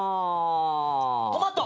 トマト。